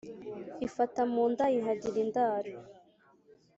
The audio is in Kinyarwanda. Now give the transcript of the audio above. ifata mu nda ihagira indaro.